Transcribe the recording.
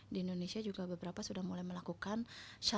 di indonesia juga beberapa sudah mulai melakukan